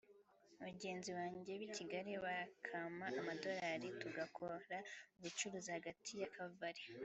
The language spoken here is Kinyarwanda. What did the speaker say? bagenzi banjye b’i Kigali bakampa amadorali tugakora ubucuruzi hagati ya Kabale